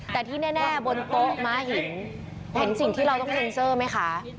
แต่ที่แน่บนโต๊ะม้าหินเห็นสิ่งที่เราต้องเซ็นเซอร์ไหมคะ